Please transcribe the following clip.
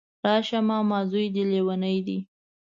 راشه ماما ځوی دی ليونی دی